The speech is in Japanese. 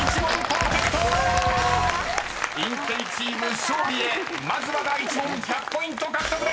［インテリチーム勝利へまずは第１問１００ポイント獲得です］